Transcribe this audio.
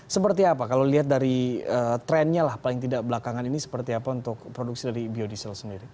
seperti apa kalau dilihat dari trennya lah paling tidak belakangan ini seperti apa untuk produksi dari biodiesel sendiri